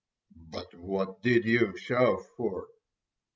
"But what did you shove for!"